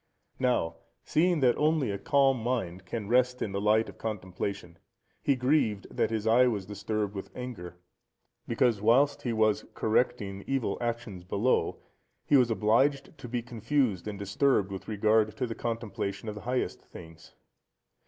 Now, seeing that only a calm mind can rest in the light of contemplation, he grieved that his eye was disturbed with anger; because, whilst he was correcting evil actions below, he was obliged to be confused and disturbed with regard to the contemplation of the highest things.